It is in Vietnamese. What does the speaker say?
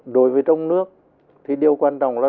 đối với trong nước thì điều quan trọng là